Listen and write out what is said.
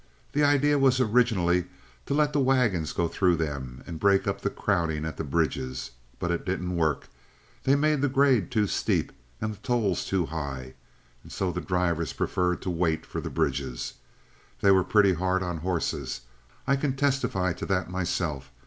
The idea was originally to let the wagons go through them and break up the crowding at the bridges. But it didn't work. They made the grade too steep and the tolls too high, and so the drivers preferred to wait for the bridges. They were pretty hard on horses. I can testify to that myself.